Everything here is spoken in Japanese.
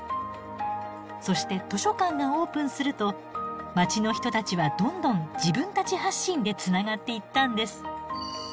そして図書館がオープンすると街の人たちはどんどん自分たち発信でつながっていったんです。